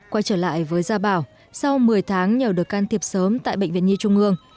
quay trở lại với gia bảo sau một mươi tháng nhờ được can thiệp sớm tại bệnh viện nhi trung ương